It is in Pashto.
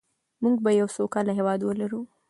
موږ به یو سوکاله هېواد ولرو.